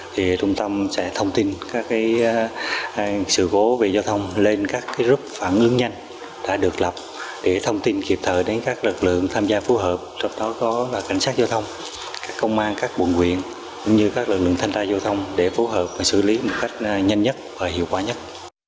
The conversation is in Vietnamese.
thì trung tâm sẽ thông tin các sự cố về giao thông lên các group phản ứng nhanh đã được lập để thông tin kịp thời đến các lực lượng tham gia phù hợp trong đó có cảnh sát giao thông công an các quận quyện cũng như các lực lượng thanh tra giao thông để phù hợp và xử lý một cách nhanh nhất và hiệu quả nhất